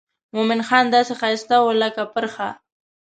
مومن خان داسې ښایسته و لکه پرخه.